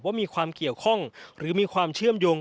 ว่ามีความเกี่ยวข้องหรือมีความเชื่อมโยง